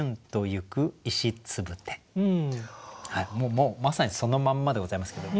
もうまさにそのまんまでございますけども。